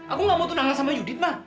aku ga mau tunangan sama yudit ma